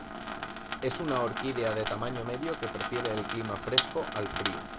Es una orquídea de tamaño medio que prefiere el clima fresco al frío.